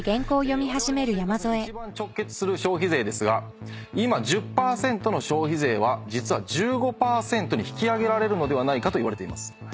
われわれの生活に一番直結する消費税ですが今１０％の消費税は実は１５％に引き上げられるのではないかといわれています。